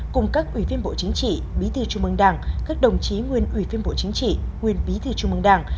cùng các ủy viên bộ chính trị bí thư trung mương đảng các đồng chí nguyên ủy viên bộ chính trị nguyên bí thư trung mương đảng